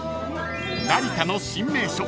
［成田の新名所